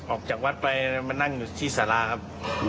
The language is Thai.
ออกจากวัดไปมานั่งอยู่ที่สาราครับ